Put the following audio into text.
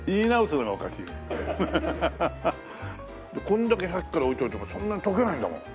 これだけさっきからおいておいてもそんなに溶けないんだもん。